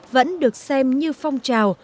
vẫn được xem như phong trào